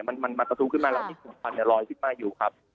มันประทุกขึ้นมาแล้วที่สูงภัณฑ์รอยขึ้นมาอยู่ครับ